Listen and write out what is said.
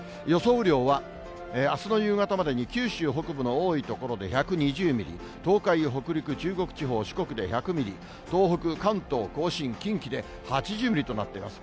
雨量は、あすの夕方までに九州北部の多い所で１２０ミリ、東海、北陸、中国地方、四国で１００ミリ、東北、関東甲信、近畿で８０ミリとなっています。